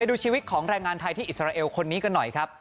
ดูชีวิตของแรงงานไทยที่อิสราเอลคนนี้กันหน่อยครับ